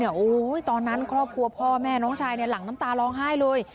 โอ้โหตอนนั้นครอบครัวพ่อแม่น้องชายเนี่ยหลังน้ำตาร้องไห้เลย